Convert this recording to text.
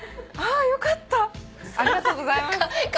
あよかったありがとうございます。